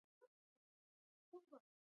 ژبه باید پاملرنه ترلاسه کړي.